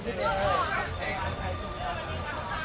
สวัสดีทุกคน